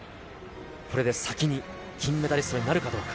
これで先に金メダリストになるかどうか。